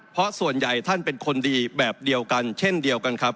เพราะส่วนใหญ่ท่านเป็นคนดีแบบเดียวกันเช่นเดียวกันครับ